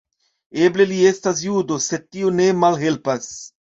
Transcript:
Eble li estas judo, sed tio ne malhelpas.